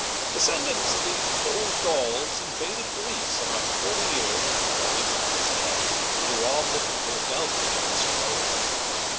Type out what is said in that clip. Descendants of these bold Gauls invaded Greece about forty years after Alexander's death, to rob the temple of Del'phi of its treasures.